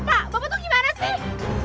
pak bapak tuh gimana sih